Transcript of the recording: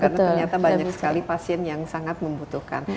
karena ternyata banyak sekali pasien yang sangat membutuhkan